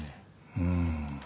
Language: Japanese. うん。